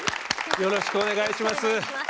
よろしくお願いします。